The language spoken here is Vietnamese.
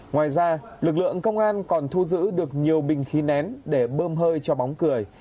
ngoài ra lực lượng công an còn thu giữ được nhiều bình khí nén để bơm hơi cho bóng cười